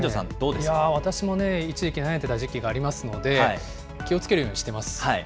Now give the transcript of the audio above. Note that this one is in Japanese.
いやー、私もね、一時期悩んでた時期がありますので、気をつけるようにしています。